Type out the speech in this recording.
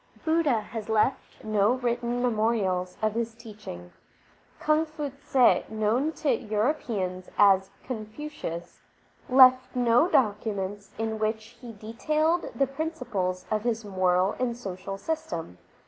Budha has left no written memorials of his teaching, Rung fu tze, known to Europeans as Confucius, left no documents in which he detailed the principles of his moral and social system.